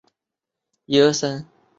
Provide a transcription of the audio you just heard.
受到牵连流放外岛的达六十余人。